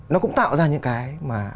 nó cũng tạo ra những cái mà